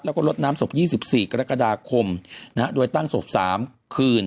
แล้วก็ลดน้ำศพ๒๔กรกฎาคมโดยตั้งศพ๓คืน